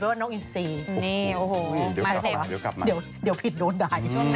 เดี๋ยวกลับมาดูถึงพีชโดนไดร์